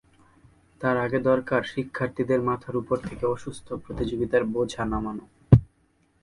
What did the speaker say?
তার আগে দরকার শিক্ষার্থীদের মাথার ওপর থেকে অসুস্থ প্রতিযোগিতার বোঝা নামানো।